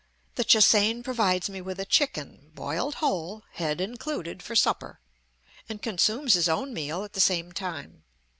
The Che hsein provides me with a chicken, boiled whole, head included, for supper, and consumes his own meal at the same time.